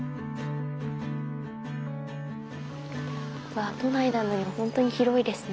わあ都内なのにほんとに広いですね。